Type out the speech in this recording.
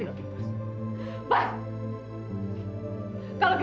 kalau gitu cerai kan aku